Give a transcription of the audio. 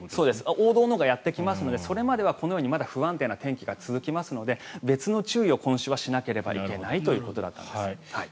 王道のがやってきますのでそれまではまだ不安定な天気が続きますので別の注意を今週はしなきゃいけないということです。